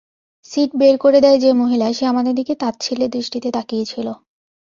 Seat বের করে দেয় যে মহিলা সে আমাদের দিকে তাচ্ছিল্যের দৃষ্টিতে তাকিয়েছিল।